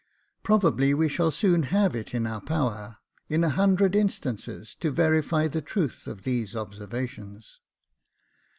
Probably we shall soon have it in our power, in a hundred instances, to verify the truth of these observations.